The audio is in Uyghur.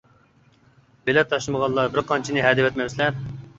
بىلەت تاشلىمىغانلار بىر قانچىنى ھە دەۋەتمەمسىلەر.